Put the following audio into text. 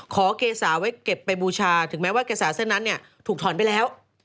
เกษาไว้เก็บไปบูชาถึงแม้ว่าเกษาเส้นนั้นถูกถอนไปแล้ว